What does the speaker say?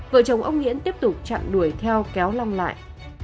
vợ chồng ông nghĩễn tiếp tục chặn đuổi theo kéo lòng lại